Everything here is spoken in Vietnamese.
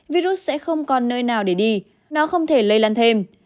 virus sẽ không còn nơi nào để đi nó không thể lây lan thêm